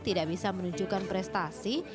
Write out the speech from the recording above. tidak bisa menunjukkan prestasi